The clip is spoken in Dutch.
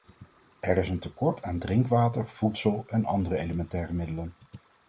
Er is een tekort aan drinkwater, voedsel en andere elementaire middelen.